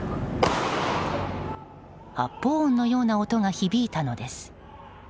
発砲音のような音が響いたのです。